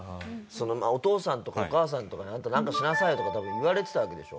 お父さんとかお母さんとかに「あんたなんかしなさいよ」とか多分言われてたわけでしょ。